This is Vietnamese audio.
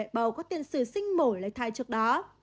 tỷ lệ vỡ tủ cung ở mẹ bầu có tiền sử sinh mổ lấy thai trước đó